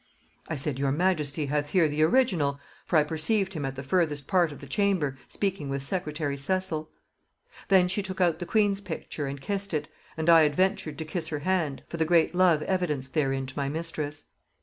I said, 'Your majesty hath here the original, for I perceived him at the furthest part of the chamber, speaking with secretary Cecil.' Then she took out the queen's picture, and kissed it, and I adventured to kiss her hand, for the great love evidenced therein to my mistress.